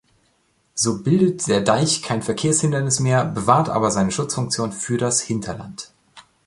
So bildet der Deich kein Verkehrshindernis mehr, bewahrt aber seine Schutzfunktion für das Hinterland.